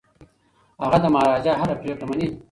هغه د مهاراجا هره پریکړه مني.